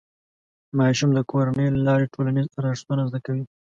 ماشوم د کورنۍ له لارې ټولنیز ارزښتونه زده کوي.